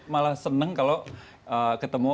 malah seneng kalau ketemu